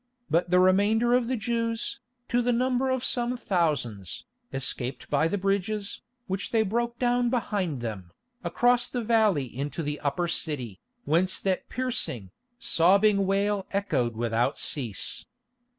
But the remainder of the Jews, to the number of some thousands, escaped by the bridges, which they broke down behind them, across the valley into the Upper City, whence that piercing, sobbing wail echoed without cease.